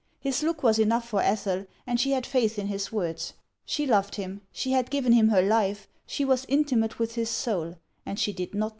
His look was enough for Ethel, and she had faith in his words. Sin loved him, she had given him her life, she was intimate with his soul, and she did not know his name.